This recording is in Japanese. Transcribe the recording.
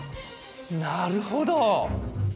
なるほど！